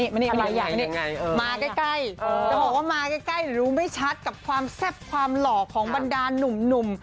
มาใกล้จะบอกว่ามาใกล้รู้ไม่ชัดกับความแซ่บความหล่อของบรรดานุ่ม